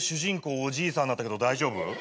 おじいさんになったけど大丈夫？